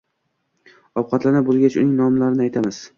Ovqatlanib bo‘lgach, uning nomlarini aytamiz.